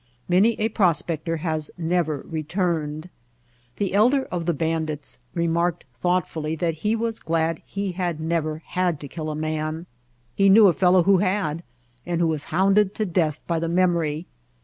Many a prospector has never returned. The elder of the bandits remarked thoughtfully that he was glad he had never had to kill a man. He knew a fellow who had and who was hounded to death by the memory.